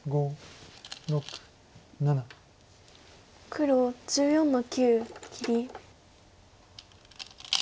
黒１４の九切り。